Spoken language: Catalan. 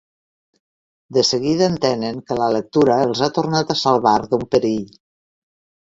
De seguida entenen que la lectura els ha tornat a salvar d'un perill.